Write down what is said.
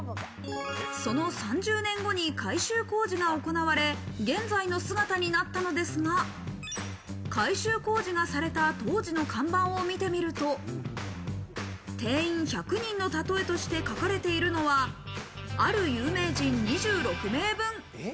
その３０年後に改修工事が行われ、現在の姿になったのですが、改修工事がされた当時の看板を見てみると、定員１００人の例えとして書かれているのは、ある有名人２６名分。